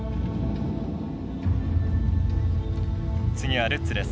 次はルッツです。